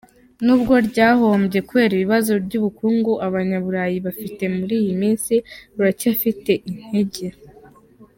Nubwo rwahombye kubera ibibazo by’ubukungu Abanyaburayi bafite muri iyi minsi, ruracyafite intege.